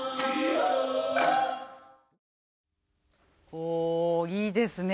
ほういいですね。